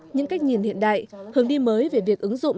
những cách nhìn hiện đại hướng đi mới về việc ứng dụng